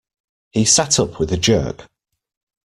He sat up with a jerk.